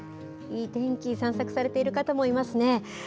いい天気、散策されている方もいますね。